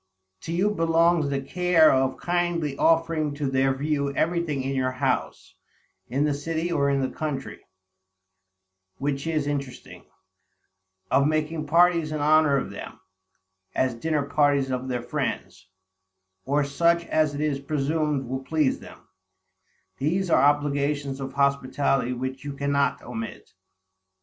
To you belongs the care of kindly offering to their view everything in your house, in the city or in the country, which is interesting; of making parties in honor of them, as dinner parties of their friends, or such as it is presumed will please them; these are obligations of hospitality which you cannot omit.